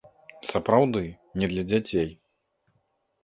Сапраўды, не для дзяцей!